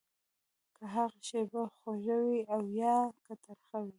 که هغه شېبه خوږه وي او يا که ترخه وي.